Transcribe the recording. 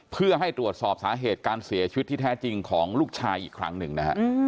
เพื่อให้ตรวจสอบสาเหตุการเสียชีวิตที่แท้จริงของลูกชายอีกครั้งหนึ่งนะฮะ